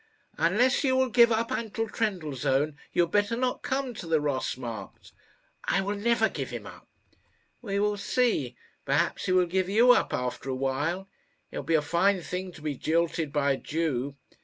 "Unless you will give up Anton Trendellsohn, you had better not come to the Ross Markt." "I will never give him up." "We will see. Perhaps he will give you up after a while. It will be a fine thing to be jilted by a Jew."